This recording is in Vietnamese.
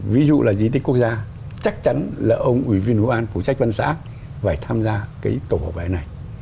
ví dụ là di tích quốc gia chắc chắn là ông ủy viên hội an phụ trách văn xã phải tham gia cái tổ bảo vệ này